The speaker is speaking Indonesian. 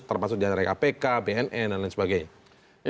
termasuk diantaranya kpk bnn dan lain sebagainya